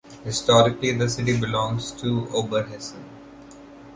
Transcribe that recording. Historically, the city belongs to Oberhessen.